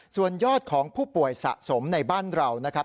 ส่วนยอดของผู้ป่วยสะสมในบ้านเรานะครับ